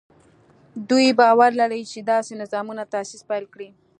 دوی باور لري چې داسې نظامونو تاسیس پیل دی.